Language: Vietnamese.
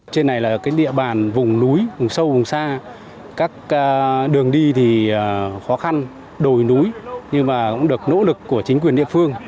trên này là cái địa bàn vùng núi vùng sâu vùng xa các đường đi thì khó khăn đồi núi nhưng mà cũng được nỗ lực của chính quyền địa phương